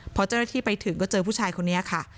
พอเจ้าหน้าที่ไปถึงก็เจอผู้ชายคนนี้ค่ะ